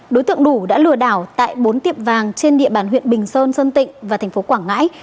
đối tượng đủ đã lừa đảo tại bốn tiệm vàng trên địa bàn huyện bình sơn sơn tịnh và thành phố quảng ngãi